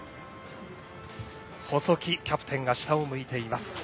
細木キャプテンが下を向いています。